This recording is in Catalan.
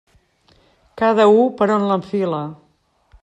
Cada u per on l'enfila.